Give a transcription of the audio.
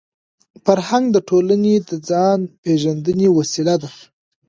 فرهنګ د ټولني د ځان پېژندني وسیله ده.